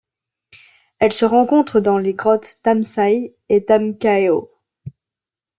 Elle se rencontre dans les grottes Tham Sai et Tham Kaeo.